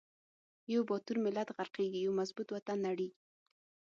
یو باتور ملت غر قیږی، یو مضبوط وطن نړیږی